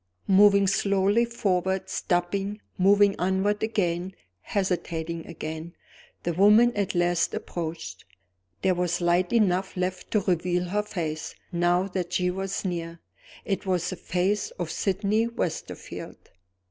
Moving slowly forward stopping moving onward again hesitating again the woman at last approached. There was light enough left to reveal her face, now that she was near. It was the face of Sydney Westerfield.